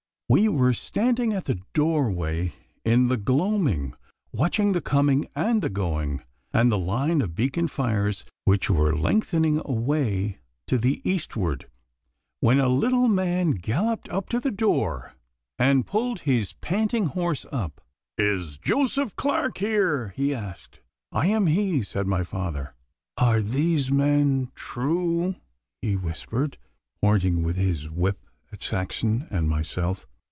We were standing at our doorway in the gloaming, watching the coming and the going, and the line of beacon fires which were lengthening away to the eastward, when a little man galloped up to the door and pulled his panting horse up. 'Is Joseph Clarke here?' he asked. 'I am he,' said my father. 'Are these men true?' he whispered, pointing with his whip at Saxon and myself.